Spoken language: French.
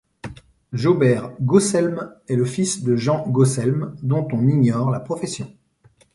Jaubert Gaucelm est le fils de Jean Gaucelm dont on ignore la profession.